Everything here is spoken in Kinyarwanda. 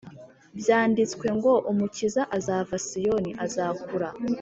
byanditswe ngo Umukiza azava i Siyoni Azakura